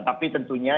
tapi tentunya ini